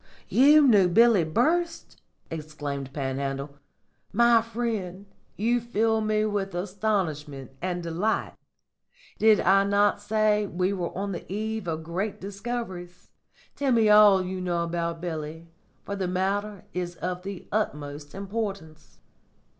"You knew Billy Burst!" exclaimed Panhandle. "My friend, you fill me with astonishment and delight. Did I not say we were on the eve of great discoveries? Tell me all you know about Billy, for the matter is of the utmost importance."